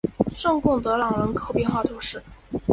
圣贡德朗人口变化图示